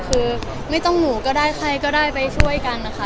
คือไม่ต้องหมูก็ได้ใครก็ได้ไปช่วยกันนะคะ